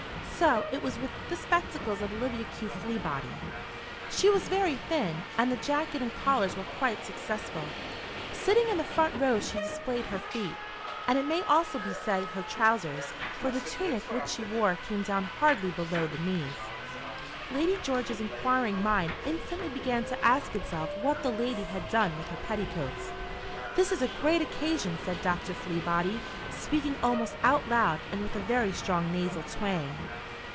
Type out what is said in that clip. So it was with the spectacles of Olivia Q. Fleabody. She was very thin, and the jacket and collars were quite successful. Sitting in the front row she displayed her feet, and it may also be said her trousers, for the tunic which she wore came down hardly below the knees. Lady George's enquiring mind instantly began to ask itself what the lady had done with her petticoats. "This is a great occasion," said Dr. Fleabody, speaking almost out loud, and with a very strong nasal twang.